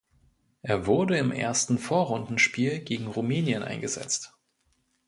Er wurde im ersten Vorrundenspiel gegen Rumänien eingesetzt.